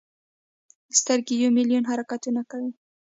سترګې یو ملیون حرکتونه کوي.